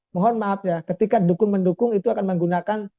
mohon maaf ya ketika dukung mendukung itu akan menggunakan